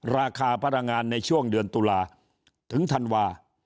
ราคาพลังงานในช่วงเดือนตุลาถึงธันวา